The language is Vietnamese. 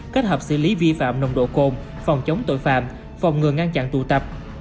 kết hợp xử lý vi phạm nồng độ cồn phòng chống tội phạm phòng ngừa ngăn chặn tụ tập